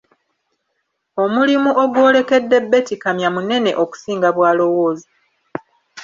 Omulimu ogwolekedde Beti Kamya munene okusinga bwalowooza.